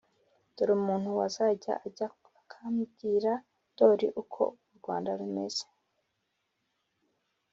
dore umuntu wazajya ajya akabwira ndoli uko u rwanda rumeze